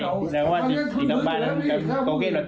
เพราะฉะนั้นพวกมันฝากพี่เต้ามามาลงฝักมาเย็นว่ามน้ำนะ